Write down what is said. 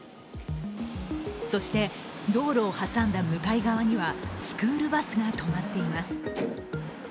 そして、道路を挟んだ向かい側にはスクールバスがとまっています。